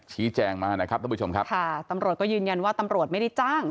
ชี้แจงมานะครับท่านผู้ชมครับค่ะตำรวจก็ยืนยันว่าตำรวจไม่ได้จ้าง